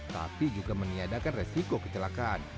tapi juga meniadakan resiko kecelakaan